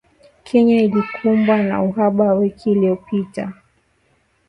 Kenya ilikumbwa na uhaba wiki iliyopita